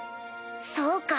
そうか。